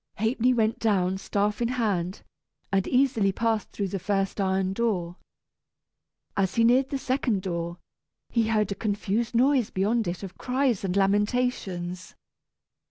Ha'penny went down, staff in hand, and easily passed through the first iron door. As he neared the second door, he heard a confused noise beyond it of cries and lamentations.